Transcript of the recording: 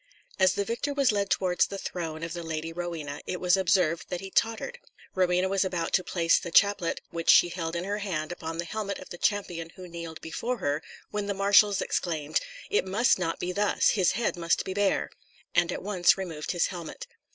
As the victor was led towards the throne of the Lady Rowena, it was observed that he tottered. Rowena was about to place the chaplet which she held in her hand upon the helmet of the champion who kneeled before her, when the marshals exclaimed, "It must not be thus, his head must be bare;" and at once removed his helmet.